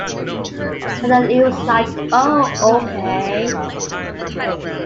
And then it was like 'Oh okay.